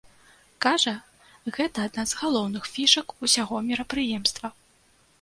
Кажа, гэта адна з галоўных фішак усяго мерапрыемства.